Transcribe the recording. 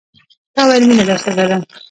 تا ویل، مینه درسره لرم